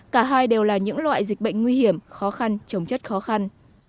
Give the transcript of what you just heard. cả hai đều là những loại dịch bệnh nguy hiểm khó khăn chống chất khó khăn